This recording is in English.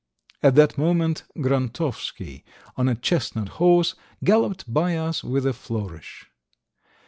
At that moment Grontovsky, on a chestnut horse, galloped by us with a flourish.